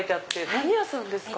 何屋さんですか？